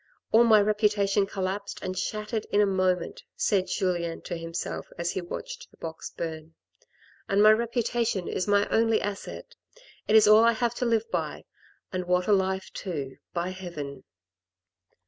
" All my reputation collapsed and shattered in a moment," said Julien to himself as he watched the box burn, "and my reputation is my only asset. It is all I have to live by — and what a life to, by heaven